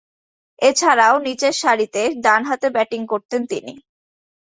এছাড়াও নিচের সারিতে ডানহাতে ব্যাটিং করতেন তিনি।